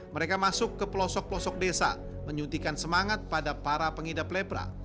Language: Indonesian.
mereka masuk ke pelosok pelosok desa menyuntikan semangat pada para pengidap lepra